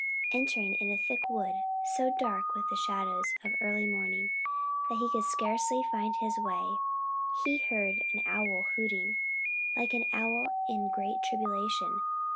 Entering in a thick wood, so dark with the shadows of early morning that he could scarcely find his way, he heard an owl hooting, like an owl in great tribulation.